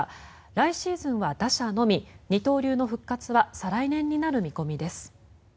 来シーズンは打者のみ二刀流の復活は再来年になる見込みです。